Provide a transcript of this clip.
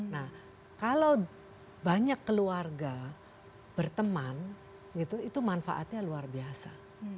nah kalau banyak keluarga berteman itu manfaatnya luar biasa